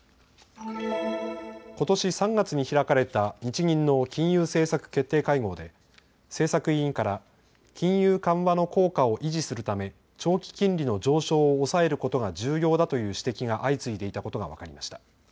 ことし３月に開かれた日銀の金融政策決定会合で政策委員から金融緩和の効果を維持するため長期金利の上昇を抑えることが重要だという指摘が相次いでいたことが分かりました。